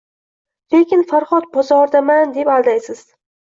Lekin “Farxod bozoridaman”, deb aldaysiz.